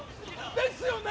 ですよね？